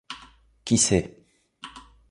Qui sait !